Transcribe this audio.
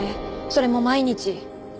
それも毎日。